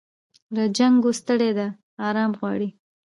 له جنګو ستړې ده آرام غواړي